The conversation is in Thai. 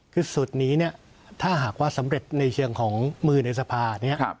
คือสูตรนี้เนี่ยถ้าหากว่าสำเร็จในเชิงของมือในสภาเนี่ย